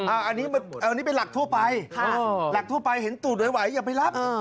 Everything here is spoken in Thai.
อันนี้เป็นหลักทั่วไปหลักทั่วไปเห็นตูดไหวอย่าไปรับ